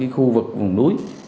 khu vực vùng núi